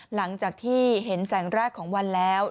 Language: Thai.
หลังจากที่เห็นแสงแรกของวันแล้ว